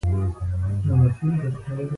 هر نظام حکومتونه د یوه معین وخت لپاره ټاکي.